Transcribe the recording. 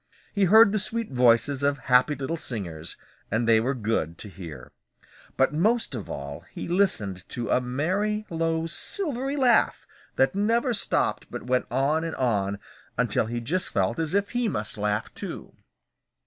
He heard the sweet voices of happy little singers, and they were good to hear. But most of all he listened to a merry, low, silvery laugh that never stopped but went on and on, until he just felt as if he must laugh too.